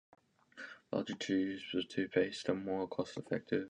Larger tubes of toothpaste are more cost-effective.